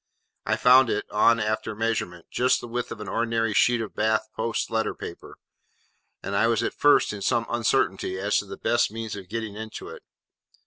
I found it, on after measurement, just the width of an ordinary sheet of Bath post letter paper; and I was at first in some uncertainty as to the best means of getting into it.